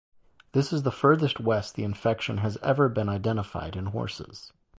This is the furthest west the infection has ever been identified in horses.